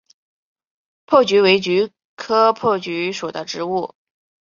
珀菊为菊科珀菊属的植物。